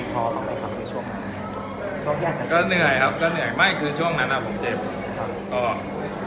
ก็เหนื่อยครับก็เหนื่อยไม่คือช่วงนั้นผมเจ็บ